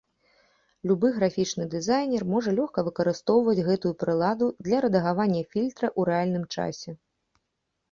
Любы графічны дызайнер можа лёгка выкарыстоўваць гэтую прыладу для рэдагавання фільтра ў рэальным часе.